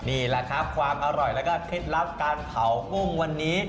นี่แหละครับความอร่อยแล้วก็เคล็ดลับการเผากุ้งวันนี้